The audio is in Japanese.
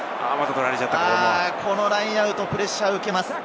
このラインアウト、プレッシャーを受けます。